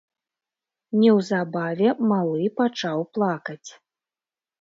Неўзабаве малы пачаў плакаць.